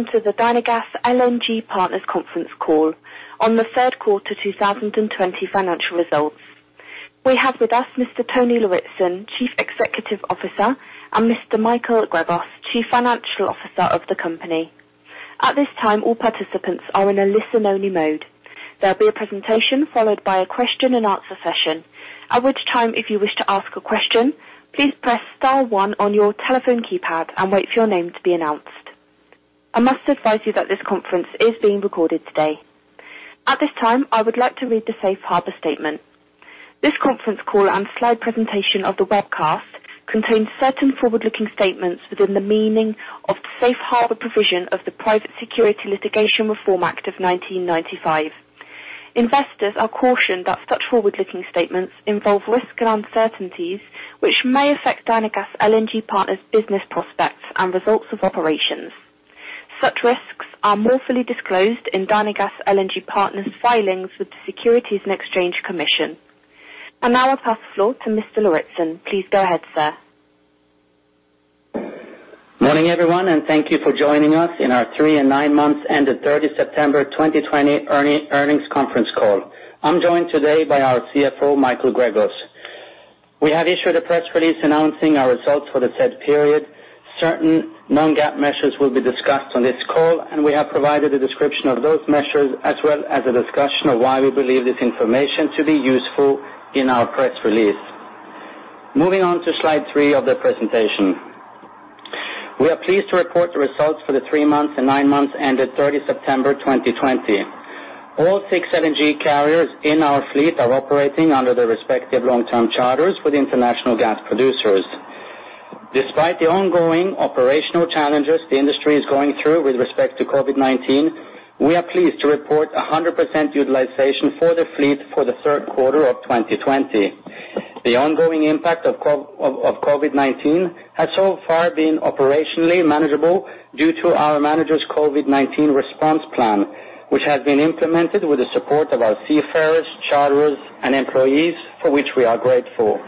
Welcome to the Dynagas LNG Partners conference call on the third quarter 2020 financial results. We have with us Mr. Tony Lauritzen, Chief Executive Officer, and Mr. Michael Gregos, Chief Financial Officer of the company. At this time, all participants are in a listen-only mode. There'll be a presentation followed by a question and answer session. At which time if you wish to ask a question, please press star one on your telephone keypad and wait for your name to be announced. I must advise you that this conference is being recorded today. At this time, I would like to read the safe harbor statement. This conference call and slide presentation of the webcast contains certain forward-looking statements within the meaning of the safe harbor provision of the Private Securities Litigation Reform Act of 1995. Investors are cautioned that such forward-looking statements involve risks and uncertainties, which may affect Dynagas LNG Partners business prospects and results of operations. Such risks are more fully disclosed in Dynagas LNG Partners filings with the Securities and Exchange Commission. Now I pass the floor to Mr. Lauritzen. Please go ahead, sir. Morning, everyone. Thank you for joining us in our three and nine months ended 30 September 2020 earnings conference call. I'm joined today by our CFO, Michael Gregos. We have issued a press release announcing our results for the said period. Certain non-GAAP measures will be discussed on this call, and we have provided a description of those measures as well as a discussion of why we believe this information to be useful in our press release. Moving on to slide three of the presentation. We are pleased to report the results for the three months and nine months ended 30 September 2020. All six LNG carriers in our fleet are operating under their respective long-term charters with international gas producers. Despite the ongoing operational challenges the industry is going through with respect to COVID-19, we are pleased to report 100% utilization for the fleet for the third quarter of 2020. The ongoing impact of COVID-19 has so far been operationally manageable due to our managers COVID-19 response plan, which has been implemented with the support of our seafarers, charters, and employees, for which we are grateful.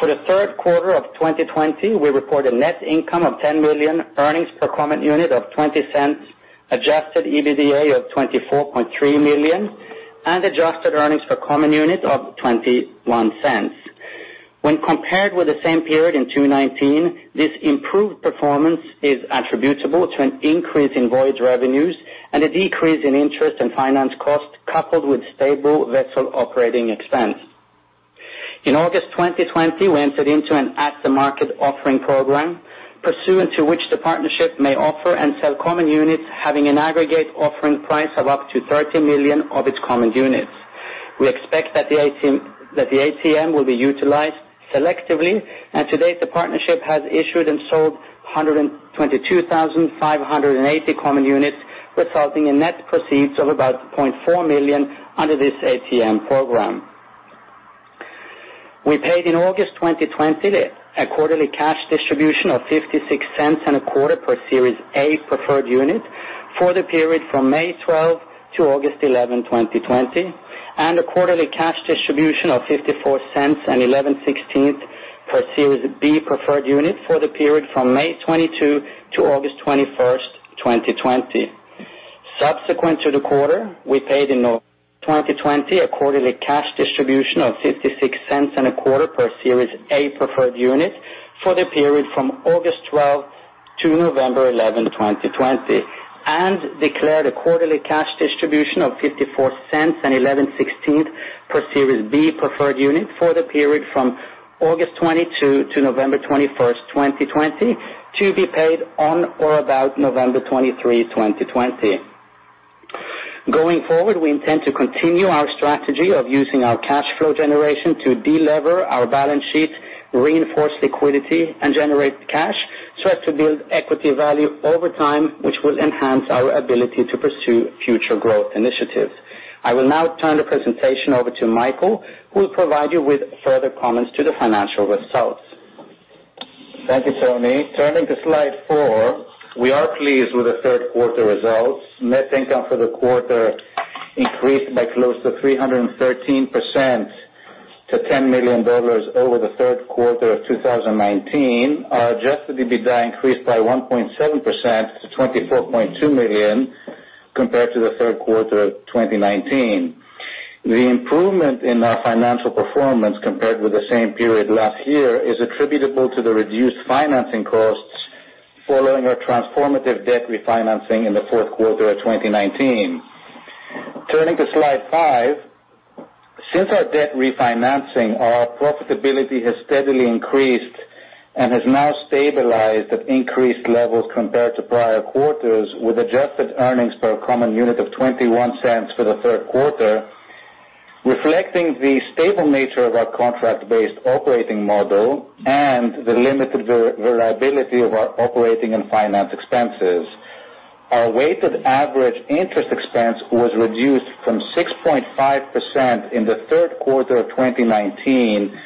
For the third quarter of 2020, we report a net income of $10 million, earnings per common unit of $0.20, adjusted EBITDA of $24.3 million, and adjusted earnings per common unit of $0.21. When compared with the same period in 2019, this improved performance is attributable to an increase in voyage revenues and a decrease in interest and finance costs, coupled with stable vessel operating expense. In August 2020, we entered into an at-the-market offering program, pursuant to which the partnership may offer and sell common units having an aggregate offering price of up to $30 million of its common units. We expect that the ATM will be utilized selectively, and to date, the partnership has issued and sold 122,580 common units, resulting in net proceeds of about $0.4 million under this ATM program. We paid in August 2020 a quarterly cash distribution of $0.5625 per Series A preferred unit for the period from May 12 to August 11, 2020, and a quarterly cash distribution of $0.546875 per Series B preferred unit for the period from May 22 to August 21st, 2020. Subsequent to the quarter, we paid in August 2020 a quarterly cash distribution of $0.5625 per Series A preferred unit for the period from August 12 to November 11, 2020, and declared a quarterly cash distribution of $0.546875 per Series B preferred unit for the period from August 22 to November 21st, 2020, to be paid on or about November 23, 2020. Going forward, we intend to continue our strategy of using our cash flow generation to delever our balance sheet, reinforce liquidity, and generate cash so as to build equity value over time, which will enhance our ability to pursue future growth initiatives. I will now turn the presentation over to Michael, who will provide you with further comments to the financial results. Thank you, Tony. Turning to slide four, we are pleased with the third quarter results. Net income for the quarter increased by close to 313% to $10 million over the third quarter of 2019. Our adjusted EBITDA increased by 1.7% to $24.2 million compared to the third quarter of 2019. The improvement in our financial performance compared with the same period last year is attributable to the reduced financing costs following our transformative debt refinancing in the fourth quarter of 2019. Turning to slide five, since our debt refinancing, our profitability has steadily increased and has now stabilized at increased levels compared to prior quarters, with adjusted earnings per common unit of $0.21 for the third quarter, reflecting the stable nature of our contract-based operating model and the limited variability of our operating and finance expenses. Our weighted average interest expense was reduced from 6.5% in the third quarter of 2019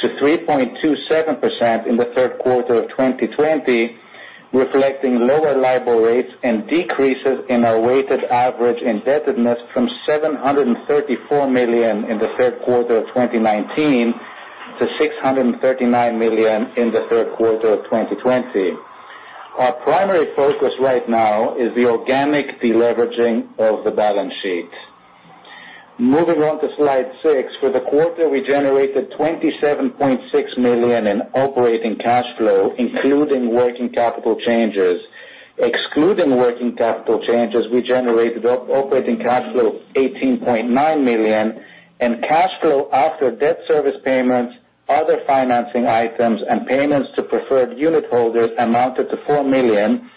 to 3.27% in the third quarter of 2020, reflecting lower LIBOR rates and decreases in our weighted average indebtedness from $734 million in the third quarter of 2019 to $639 million in the third quarter of 2020. Our primary focus right now is the organic deleveraging of the balance sheet. Moving on to slide six. For the quarter, we generated $27.6 million in operating cash flow, including working capital changes. Excluding working capital changes, we generated operating cash flow of $18.9 million, and cash flow after debt service payments, other financing items, and payments to preferred unitholders amounted to $4 million,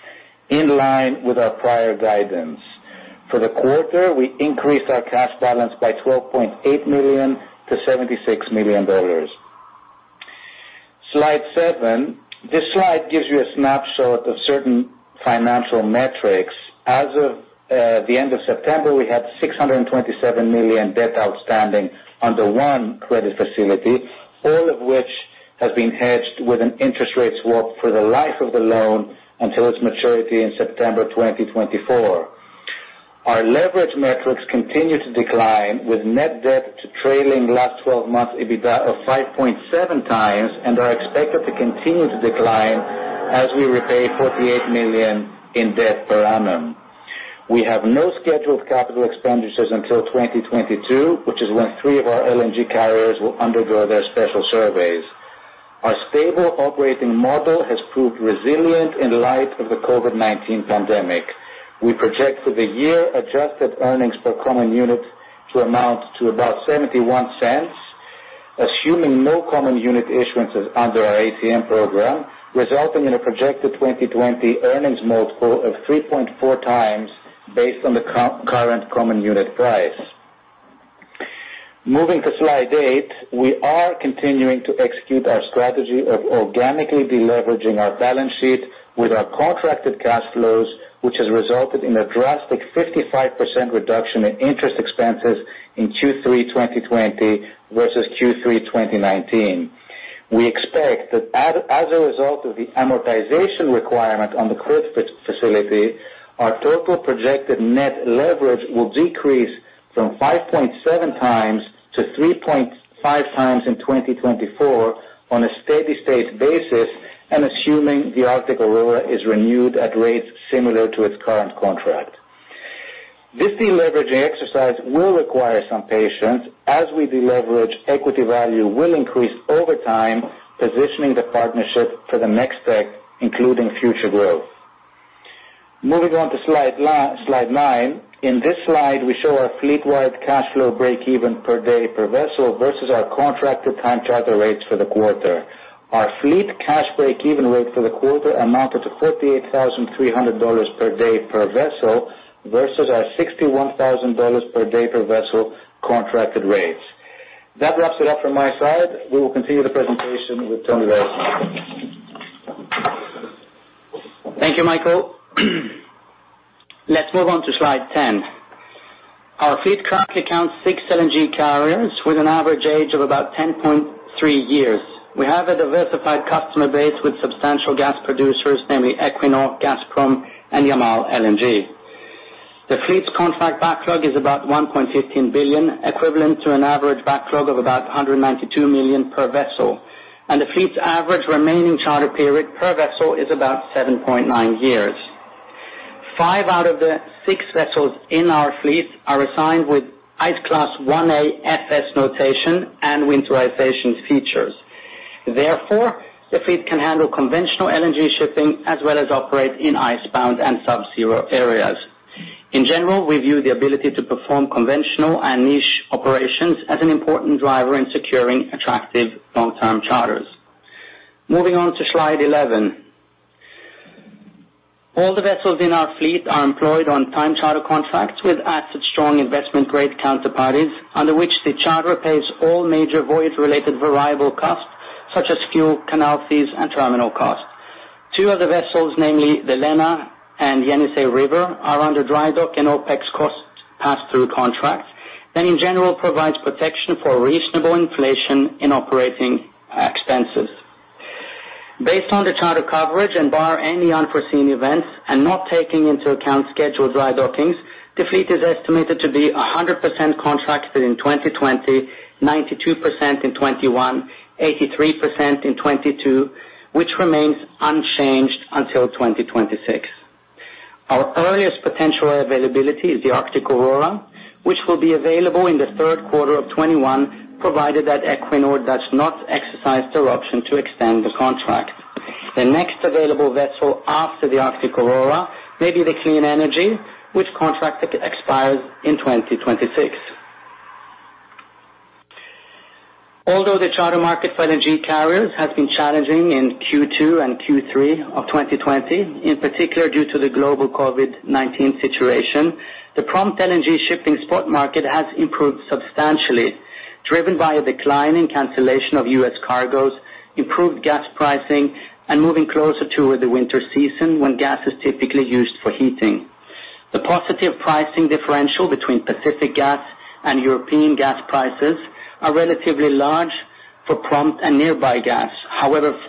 in line with our prior guidance. For the quarter, we increased our cash balance by $12.8 million to $76 million. Slide seven. This slide gives you a snapshot of certain financial metrics. As of the end of September, we had $627 million debt outstanding under one credit facility, all of which has been hedged with an interest rate swap for the life of the loan until its maturity in September 2024. Our leverage metrics continue to decline, with net debt to trailing last 12 months EBITDA of 5.7 times, and are expected to continue to decline as we repay $48 million in debt per annum. We have no scheduled capital expenditures until 2022, which is when three of our LNG carriers will undergo their special surveys. Our stable operating model has proved resilient in light of the COVID-19 pandemic. We projected the year adjusted earnings per common unit to amount to about $0.71, assuming no common unit issuances under our ATM program, resulting in a projected 2020 earnings multiple of 3.4 times based on the current common unit price. Moving to slide eight. We are continuing to execute our strategy of organically deleveraging our balance sheet with our contracted cash flows, which has resulted in a drastic 55% reduction in interest expenses in Q3 2020 versus Q3 2019. We expect that as a result of the amortization requirement on the credit facility, our total projected net leverage will decrease from 5.7 times to 3.5 times in 2024 on a steady-state basis, and assuming the Arctic Aurora is renewed at rates similar to its current contract. This deleveraging exercise will require some patience. As we deleverage, equity value will increase over time, positioning the partnership for the next step, including future growth. Moving on to slide nine. In this slide, we show our fleet-wide cash flow breakeven per day per vessel, versus our contracted time charter rates for the quarter. Our fleet cash breakeven rate for the quarter amounted to $48,300 per day per vessel, versus our $61,000 per day per vessel contracted rates. That wraps it up from my side. We will continue the presentation with Tony Lauritzen. Thank you, Michael. Let's move on to slide 10. Our fleet currently counts six LNG carriers, with an average age of about 10.3 years. We have a diversified customer base with substantial gas producers, namely Equinor, Gazprom, and Yamal LNG. The fleet's contract backlog is about $1.15 billion, equivalent to an average backlog of about $192 million per vessel, and the fleet's average remaining charter period per vessel is about 7.9 years. Five out of the six vessels in our fleet are assigned with Ice Class 1A FS notation and winterization features. Therefore, the fleet can handle conventional LNG shipping, as well as operate in icebound and subzero areas. In general, we view the ability to perform conventional and niche operations as an important driver in securing attractive long-term charters. Moving on to slide 11. All the vessels in our fleet are employed on time charter contracts with asset strong investment-grade counterparties, under which the charterer pays all major voyage-related variable costs, such as fuel, canal fees, and terminal costs. Two of the vessels, namely the Lena River and Yenisei River, are under dry dock and OpEx costs pass-through contracts that in general provides protection for reasonable inflation in operating expenses. Based on the charter coverage and bar any unforeseen events, and not taking into account scheduled dry dockings, the fleet is estimated to be 100% contracted in 2020, 92% in 2021, 83% in 2022, which remains unchanged until 2026. Our earliest potential availability is the Arctic Aurora, which will be available in the third quarter of 2021, provided that Equinor does not exercise their option to extend the contract. The next available vessel after the Arctic Aurora may be the Clean Energy, which contract expires in 2026. Although the charter market for LNG carriers has been challenging in Q2 and Q3 of 2020, in particular due to the global COVID-19 situation, the prompt LNG shipping spot market has improved substantially, driven by a decline in cancellation of U.S. cargoes, improved gas pricing, and moving closer toward the winter season when gas is typically used for heating. The positive pricing differential between Pacific gas and European gas prices are relatively large for prompt and nearby gas. However,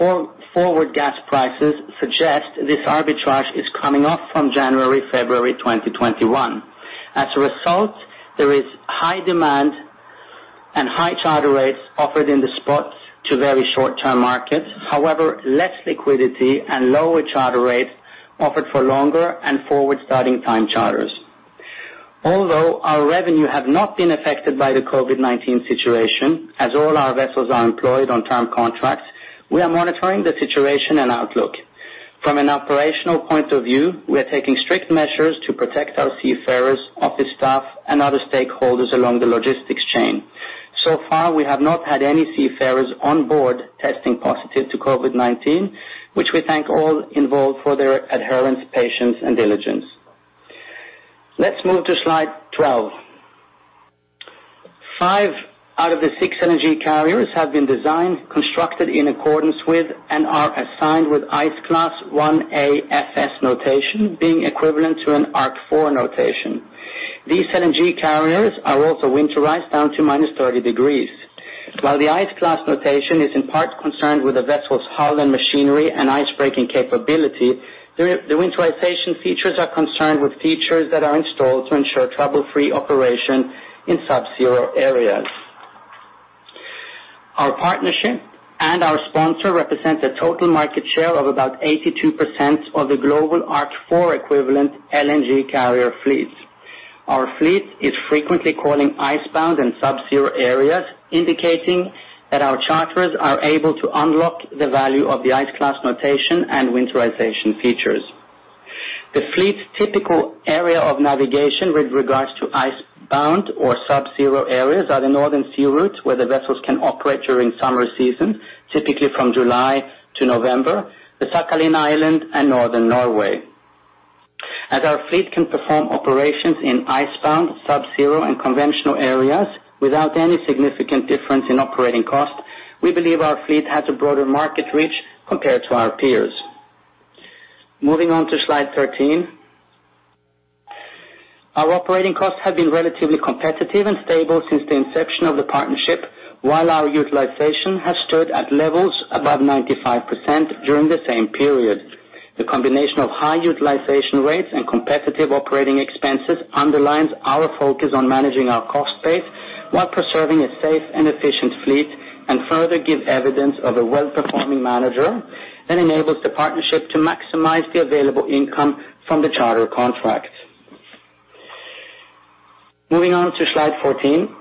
forward gas prices suggest this arbitrage is coming off from January, February 2021. As a result, there is high demand and high charter rates offered in the spot to very short-term markets. However, less liquidity and lower charter rates offered for longer and forward-starting time charters. Although our revenue has not been affected by the COVID-19 situation, as all our vessels are employed on term contracts, we are monitoring the situation and outlook. From an operational point of view, we are taking strict measures to protect our seafarers, office staff, and other stakeholders along the logistics chain. So far, we have not had any seafarers on board testing positive to COVID-19, which we thank all involved for their adherence, patience, and diligence. Let's move to slide 12. Five out of the six LNG carriers have been designed, constructed in accordance with, and are assigned with Ice Class 1A FS notation, being equivalent to an Arc4 notation. These LNG carriers are also winterized down to -30 degrees. While the ice class notation is in part concerned with the vessel's hull and machinery and ice-breaking capability, the winterization features are concerned with features that are installed to ensure trouble-free operation in subzero areas. Our partnership and our sponsor represent a total market share of about 82% of the global Arc4 equivalent LNG carrier fleet. Our fleet is frequently calling ice-bound and subzero areas, indicating that our charterers are able to unlock the value of the ice class notation and winterization features. The fleet's typical area of navigation with regards to ice-bound or subzero areas are the Northern Sea Route, where the vessels can operate during summer season, typically from July to November, the Sakhalin Island, and northern Norway. As our fleet can perform operations in ice-bound, subzero, and conventional areas without any significant difference in operating cost, we believe our fleet has a broader market reach compared to our peers. Moving on to slide 13. Our operating costs have been relatively competitive and stable since the inception of the partnership, while our utilization has stood at levels above 95% during the same period. The combination of high utilization rates and competitive operating expenses underlines our focus on managing our cost base while preserving a safe and efficient fleet, and further give evidence of a well-performing manager, and enables the partnership to maximize the available income from the charter contracts. Moving on to slide 14.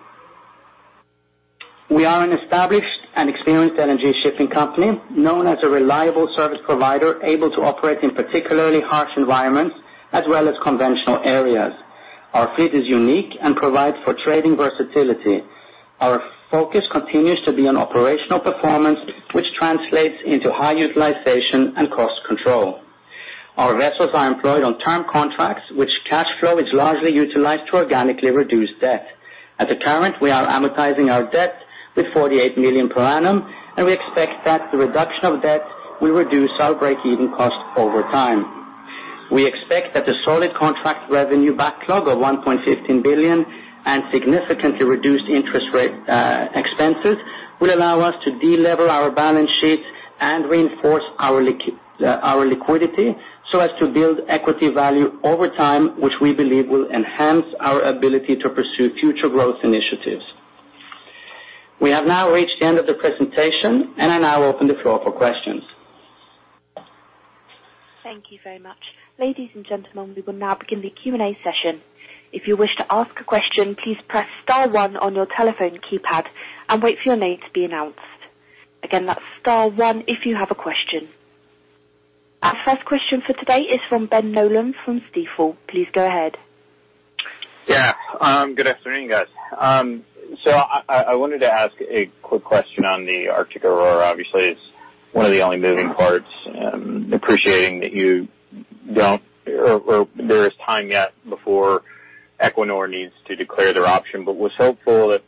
We are an established and experienced LNG shipping company, known as a reliable service provider, able to operate in particularly harsh environments as well as conventional areas. Our fleet is unique and provides for trading versatility. Our focus continues to be on operational performance, which translates into high utilization and cost control. Our vessels are employed on term contracts, which cash flow is largely utilized to organically reduce debt. At the current, we are amortizing our debt with $48 million per annum, and we expect that the reduction of debt will reduce our break-even cost over time. We expect that the solid contract revenue backlog of $1.15 billion and significantly reduced interest rate expenses will allow us to de-lever our balance sheets and reinforce our liquidity so as to build equity value over time, which we believe will enhance our ability to pursue future growth initiatives. We have now reached the end of the presentation, and I now open the floor for questions. Thank you very much. Ladies and gentlemen, we will now begin the Q&A session. If you wish to ask a question, please press star one on your telephone keypad and wait for your name to be announced. Again, that's star one if you have a question. Our first question for today is from Ben Nolan from Stifel. Please go ahead. Good afternoon, guys. I wanted to ask a quick question on the Arctic Aurora. Obviously, it's one of the only moving parts. Appreciating that there is time yet before Equinor needs to declare their option, could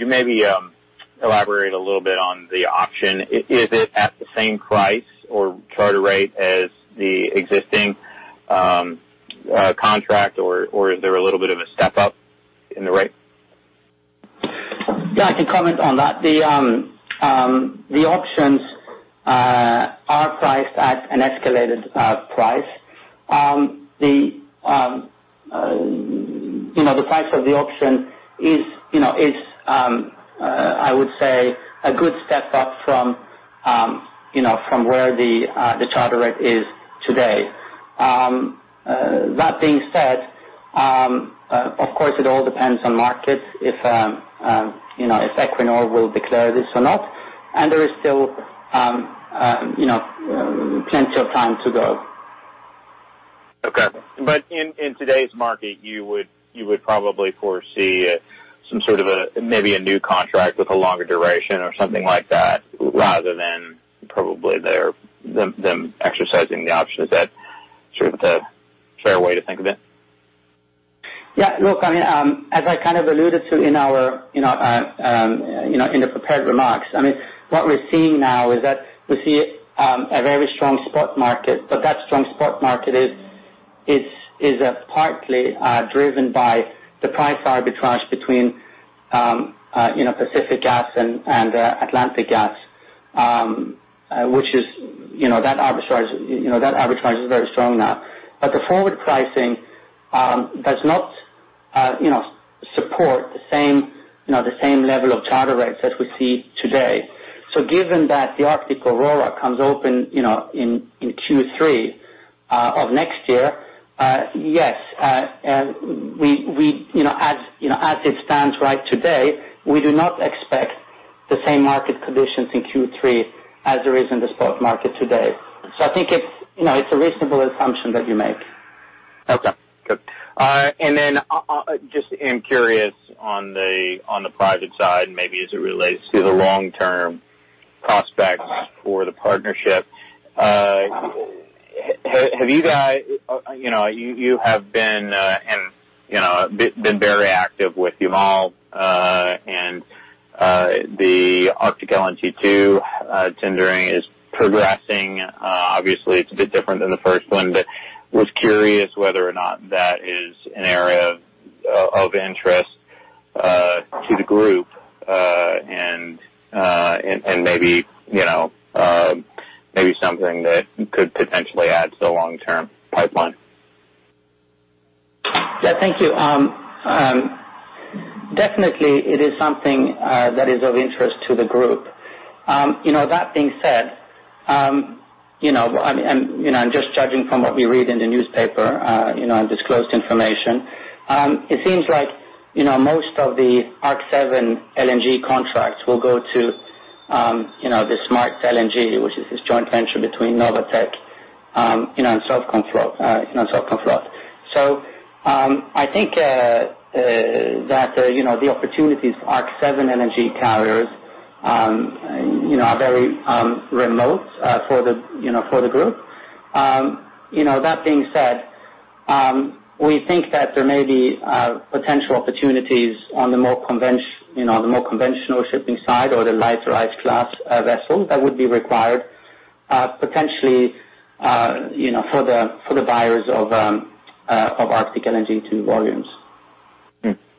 you maybe elaborate a little bit on the option. Is it at the same price or charter rate as the existing contract, or is there a little bit of a step-up in the rate? I can comment on that. The options are priced at an escalated price. The price of the option is, I would say, a good step-up from where the charter rate is today. That being said, of course, it all depends on markets, if Equinor will declare this or not, and there is still plenty of time to go. Okay. In today's market, you would probably foresee some sort of maybe a new contract with a longer duration or something like that, rather than probably them exercising the option. Is that sort of the fair way to think of it? Look, as I kind of alluded to in the prepared remarks, what we're seeing now is that we see a very strong spot market, but that strong spot market is partly driven by the price arbitrage between Pacific gas and Atlantic gas. That arbitrage is very strong now. The forward pricing does not support the same level of charter rates as we see today. Given that the Arctic Aurora comes open in Q3 of next year, yes, and as it stands right today, we do not expect the same market conditions in Q3 as there is in the spot market today. I think it's a reasonable assumption that you make. Okay, good. Just am curious on the private side, maybe as it relates to the long-term prospects for the partnership. You have been very active with Yamal and the Arctic LNG 2 tendering is progressing. Obviously, it's a bit different than the first one, was curious whether or not that is an area of interest to the Group, and maybe something that could potentially add to the long-term pipeline. Yeah. Thank you. Definitely, it is something that is of interest to the Group. That being said, and just judging from what we read in the newspaper, in disclosed information, it seems like most of the Arc7 LNG contracts will go to the SMART LNG, which is this joint venture between Novatek and Sovcomflot. I think that the opportunities for Arc7 LNG carriers are very remote for the Group. That being said, we think that there may be potential opportunities on the more conventional shipping side or the lighter ice class vessel that would be required, potentially, for the buyers of Arctic LNG two volumes.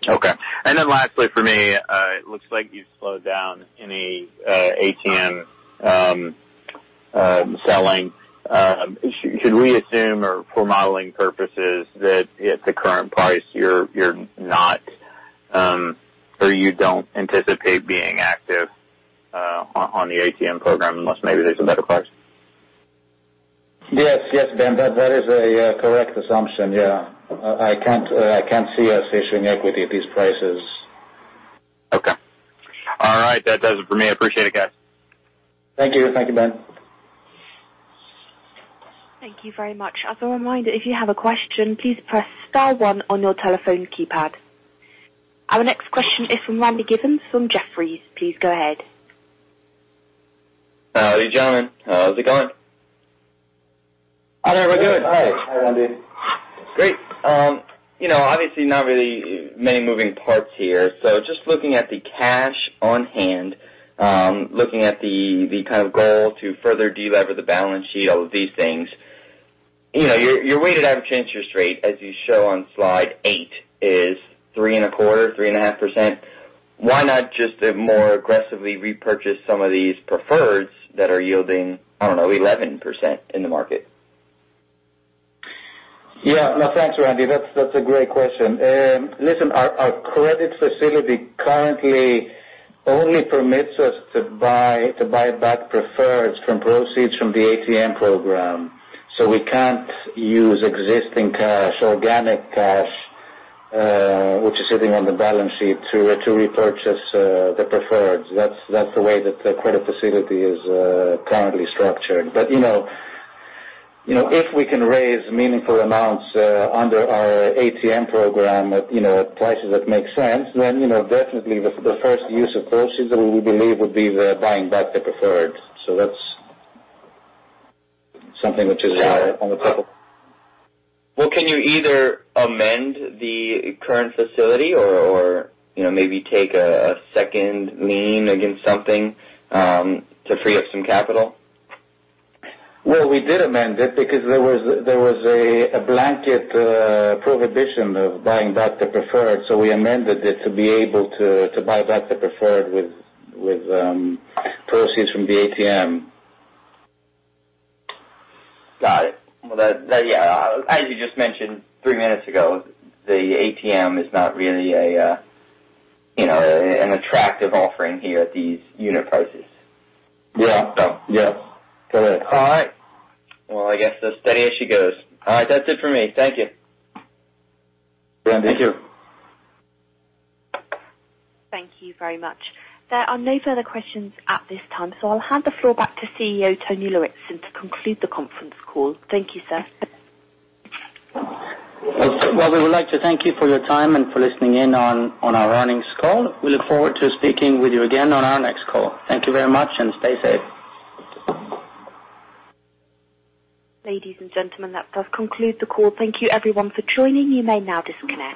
Okay. Lastly for me, it looks like you've slowed down any ATM selling. Should we assume, or for modeling purposes, that at the current price you're not, or you don't anticipate being active on the ATM program unless maybe there's a better price? Yes, Ben, that is a correct assumption. Yeah. I can't see us issuing equity at these prices. Okay. All right. That does it for me. Appreciate it, guys. Thank you. Thank you, Ben. Thank you very much. As a reminder, if you have a question, please press star one on your telephone keypad. Our next question is from Randy Giveans from Jefferies. Please go ahead. How gentlemen. How's it going? Hi there, we're good. Hi. Hi, Randy. Great. Obviously, not really many moving parts here. Just looking at the cash on hand, looking at the kind of goal to further delever the balance sheet, all of these things. Your weighted average interest rate, as you show on slide eight, is 3.25%, 3.5%. Why not just more aggressively repurchase some of these preferreds that are yielding, I don't know, 11% in the market? Yeah. No, thanks, Randy. That's a great question. Listen, our credit facility currently only permits us to buy back preferreds from proceeds from the ATM program. We can't use existing cash, organic cash, which is sitting on the balance sheet to repurchase the preferreds. That's the way that the credit facility is currently structured. If we can raise meaningful amounts under our ATM program at prices that make sense, then definitely the first use of proceeds that we believe would be the buying back the preferreds. That's something which is on the table. Well, can you either amend the current facility or maybe take a second lien against something to free up some capital? Well, we did amend it because there was a blanket prohibition of buying back the preferreds. We amended it to be able to buy back the preferred with proceeds from the ATM. Got it. As you just mentioned three minutes ago, the ATM is not really an attractive offering here at these unit prices. Yeah. Correct. All right. Well, I guess steady as she goes. All right. That's it for me. Thank you. Randy, thank you. Thank you very much. There are no further questions at this time, so I'll hand the floor back to CEO, Tony Lauritzen, to conclude the conference call. Thank you, sir. Well, we would like to thank you for your time and for listening in on our earnings call. We look forward to speaking with you again on our next call. Thank you very much and stay safe. Ladies and gentlemen, that does conclude the call. Thank you everyone for joining. You may now disconnect.